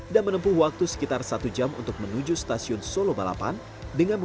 dan menempuh waktu sekitar satu jam untuk menuju stasiun solo balapan